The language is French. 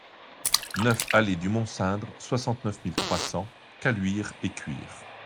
neuf allée du Mont Cindre, soixante-neuf mille trois cents Caluire-et-Cuire